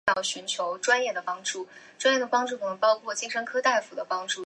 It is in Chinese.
基纳巴卢山国家公园是沙巴最受欢迎的景点之一。